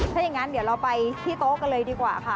ถ้าอย่างนั้นเดี๋ยวเราไปที่โต๊ะกันเลยดีกว่าค่ะ